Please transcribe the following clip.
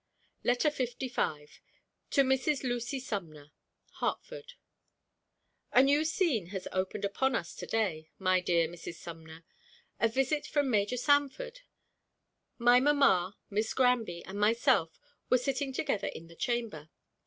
LETTER LV. TO MRS. LUCY SUMNER. HARTFORD. A new scene has opened upon us to day, my dear Mrs. Sumner a visit from Major Sanford. My mamma, Miss Granby, and myself were sitting together in the chamber.